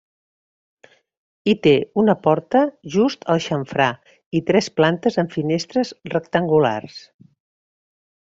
Hi té una porta just al xamfrà i tres plantes amb finestres rectangulars.